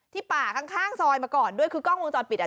ป่าข้างซอยมาก่อนด้วยคือกล้องวงจรปิดอ่ะ